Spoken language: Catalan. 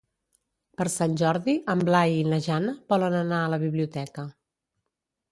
Per Sant Jordi en Blai i na Jana volen anar a la biblioteca.